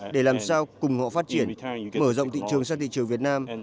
để làm sao cùng họ phát triển mở rộng thị trường sang thị trường việt nam